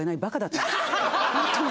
ホントに。